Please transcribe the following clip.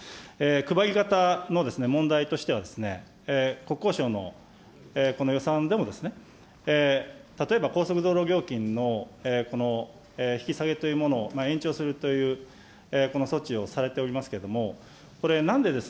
配り方の問題としては、国交省のこの予算でも、例えば高速道路料金の引き下げというものを延長するという、この措置をされておりますけれども、これなんで、